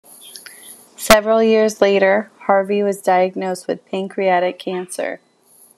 Several years later, Harvey was diagnosed with pancreatic cancer.